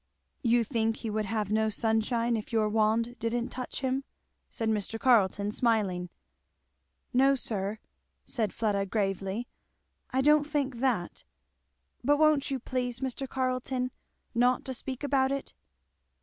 "You think he would have no sunshine if your wand didn't touch him?" said Mr. Carleton smiling. "No sir," said Fleda gravely, "I don't think that, but won't you please, Mr. Carleton, not to speak about it?"